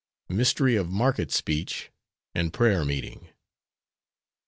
MYSTERY OF MARKET SPEECH AND PRAYER MEETING.